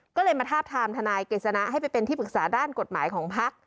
ก็เลยมาทาบทามทนายกฤษณะให้ไปเป็นที่ปรึกษาด้านกฎหมายของพัก